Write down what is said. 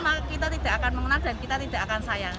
maka kita tidak akan mengenal dan kita tidak akan sayang